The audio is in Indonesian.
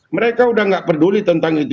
mereka udah nggak peduli tentang itu